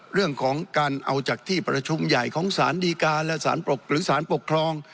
เรื่องของการเอาจากที่ประชุมใหญ่ของสารดีการและสารปรกหรือสารปกครอง